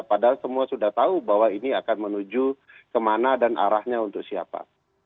padahal semua sudah tahu bahwa ini akan menuju kemana dan arahnya untuk siapa